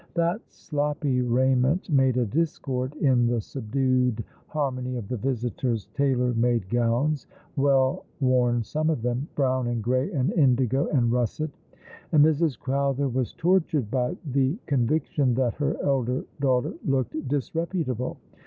That sloppy raiment made a discord in the subdued harmony of the visitors' tailor made gowns — well worn some of them — brown, and grey, and indigo, and russet; and Mrs. Crowther was tortured by the conviction that her elder daughter looked disreputable.